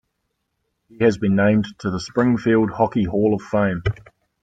He has been named to the Springfield Hockey Hall of Fame.